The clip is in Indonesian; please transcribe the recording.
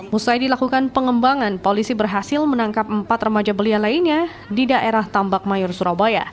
musai dilakukan pengembangan polisi berhasil menangkap empat remaja belia lainnya di daerah tambak mayor surabaya